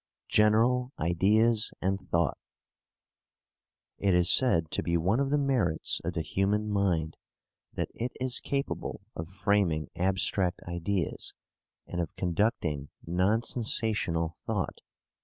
GENERAL IDEAS AND THOUGHT It is said to be one of the merits of the human mind that it is capable of framing abstract ideas, and of conducting nonsensational thought.